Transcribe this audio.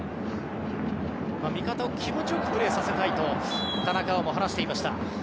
味方を気持ち良くプレーさせたいと田中碧も話していました。